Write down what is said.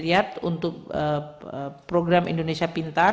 kemen kes rp tujuh tujuh triliun untuk program indonesia pintar